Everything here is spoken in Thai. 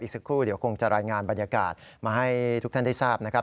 สักครู่เดี๋ยวคงจะรายงานบรรยากาศมาให้ทุกท่านได้ทราบนะครับ